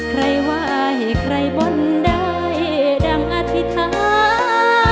ไหว้ใครบนได้ดังอธิษฐาน